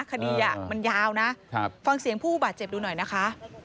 คดีมันยาวนะฟังเสียงผู้บาดเจ็บดูหน่อยนะคะ